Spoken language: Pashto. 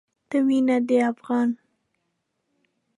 ته وينه د افغان